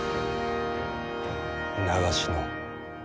長篠。